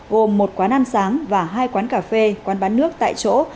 gồm một quán ăn sáng và hai quán cà phê quán bán nước tại chỗ